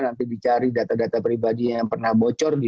nanti dicari data data pribadi yang berbeda